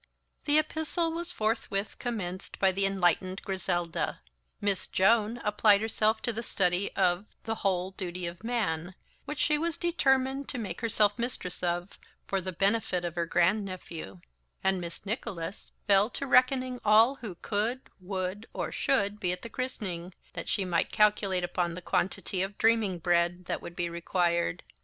The epistle was forthwith commenced by the enlightened Grizelda. Miss Joan applied herself to the study of "The Whole Duty of Man," which she was, determined to make herself mistress of for the benefit of her grand nephew; and Miss Nicholas fell to reckoning all who could, would, or should be at the christening, that she might calculate upon the quantity of dreaming bread that would be required.